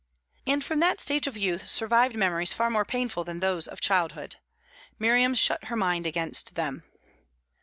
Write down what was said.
And from that stage of youth survived memories far more painful than those of childhood. Miriam shut her mind against them.